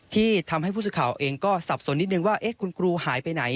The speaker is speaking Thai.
ที่ทำให้ผู้สื่อข่าวเองก็สับสนนิดนึงว่าคุณครูหายไปไหน